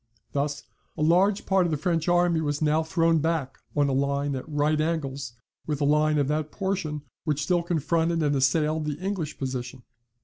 Thus a large part of the French army was now thrown back on a line at right angles with the line of that portion which still confronted and assailed the English position.